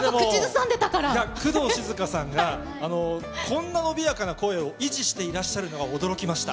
工藤静香さんがこんな伸びやかな声を維持してらっしゃるのが驚きました。